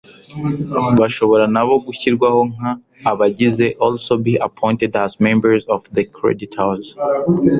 bashobora na bo gushyirwaho nk abagize also be appointed as members of the creditors